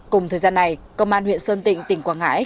cùng thời gian này công an huyện sơn tịnh tỉnh quảng ngãi